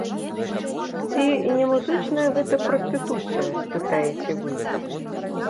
Ці не музычная гэта прастытуцыя, спытаеце вы?